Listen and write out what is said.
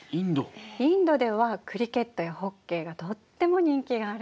インドではクリケットやホッケーがとっても人気があるの。